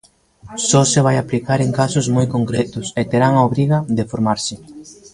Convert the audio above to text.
Só se vai aplicar en casos moi concretos, e terán a obriga de formarse.